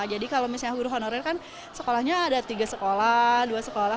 jadi kalau misalnya guru honorir kan sekolahnya ada tiga sekolah dua sekolah